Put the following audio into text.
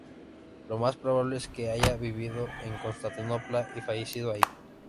Lo más probable es que haya vivido en Constantinopla y fallecido ahí.